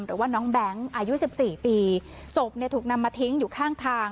หรือว่าน้องแบงค์อายุสิบสี่ปีศพเนี่ยถูกนำมาทิ้งอยู่ข้างทาง